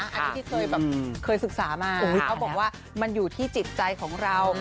อันนี้ที่เคยแบบเคยศึกษามาเขาบอกว่ามันอยู่ที่จิตใจของเรา